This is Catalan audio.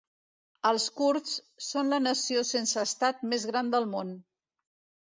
Els kurds són la nació sense estat més gran del món.